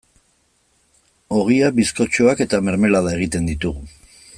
Ogia, bizkotxoak eta mermelada egiten ditugu.